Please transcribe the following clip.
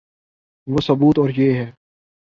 وہ ثبوت اور یہ ہے۔